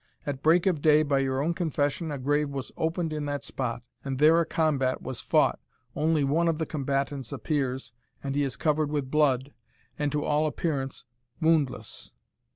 At break of day, by your own confession, a grave was opened in that spot, and there a combat was fought only one of the combatants appears, and he is covered with blood, and to all appearance woundless."